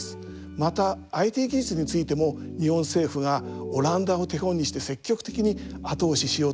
またＩＴ技術についても日本政府がオランダを手本にして積極的に後押ししようとしています。